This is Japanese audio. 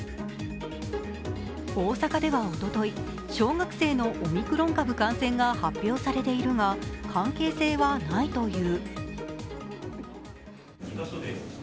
大阪ではおととい、小学生のオミクロン株感染が発表されているが関係性はないという。